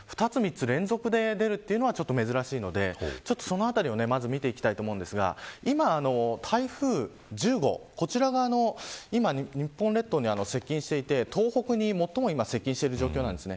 ２つ、３つ連続で出るのは珍しいので、そのあたりを見ていきますが今、台風１０号こちらが日本列島に接近していて東北に最も接近している状況です。